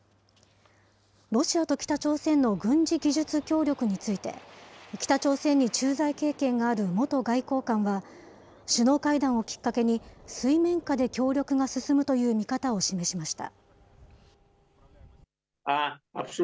ロシアと北朝鮮の軍事技術協力について、北朝鮮に駐在経験がある元外交官は、首脳会談をきっかけに、水面下で協力が進むという見方を示しました。